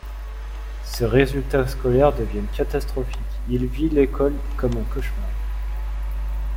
Ses résultats scolaires deviennent catastrophiques, il vit l'école comme un cauchemar.